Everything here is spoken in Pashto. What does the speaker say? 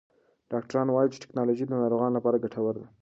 ډاکټران وایې چې ټکنالوژي د ناروغانو لپاره ګټوره ده.